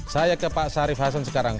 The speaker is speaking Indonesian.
saya ke pak syarif hasan sekarang